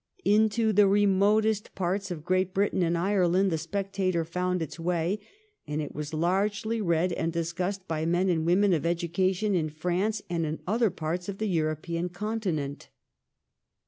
Into the remotest parts of Great Britain and Ireland ' The Spectator ' found its way, and it was largely read and discussed by men and women of education in France and in other parts of the European Con tinent.